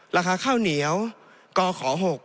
ราคาข้าวเหนียวกข๖